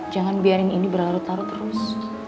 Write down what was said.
jangan biarin ini berlalu lalu terus